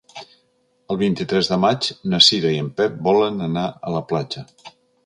El vint-i-tres de maig na Cira i en Pep volen anar a la platja.